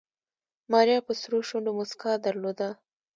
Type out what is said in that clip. ماريا په سرو شونډو موسکا درلوده.